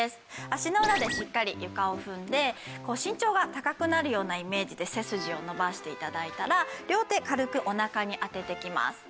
足の裏でしっかり床を踏んで身長が高くなるようなイメージで背筋を伸ばして頂いたら両手軽くお腹に当てていきます。